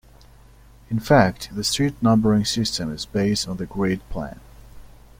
In fact, the street numbering system is based on the Grid plan.